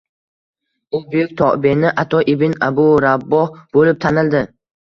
U buyuk tobe'in Ato ibn Abu Raboh bo‘lib tanildi